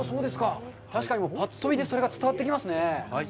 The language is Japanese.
確かに、ぱっと見でそれが伝わってきますね。